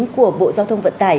của bộ giao thông vận tải